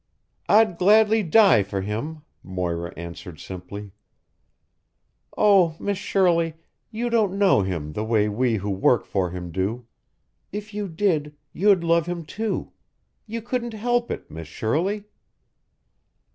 "I'd gladly die for him," Moira answered simply. "Oh, Miss Shirley, you don't know him the way we who work for him do. If you did, you'd love him, too. You couldn't help it, Miss Shirley."